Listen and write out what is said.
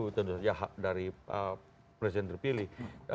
tentu saja hak dari presiden terpilih